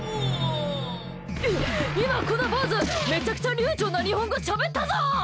い、今この坊主めちゃくちゃ流暢な日本語しゃべったぞ！